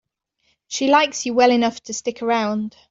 She likes you well enough to stick around.